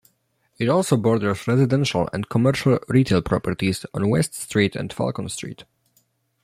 It also borders residential and commercial retail properties on West Street and Falcon Street.